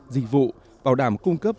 dịch vụ bảo đảm cung cấp